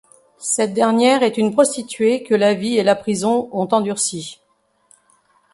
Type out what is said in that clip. Cette dernière est une prostituée que la vie et la prison ont endurcie.